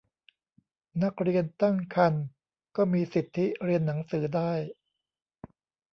นักเรียนตั้งครรภ์ ก็มีสิทธิเรียนหนังสือได้